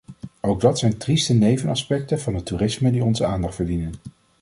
Ook dat zijn trieste nevenaspecten van het toerisme die onze aandacht verdienen.